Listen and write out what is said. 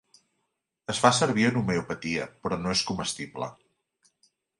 Es fa servir en homeopatia, però no és comestible.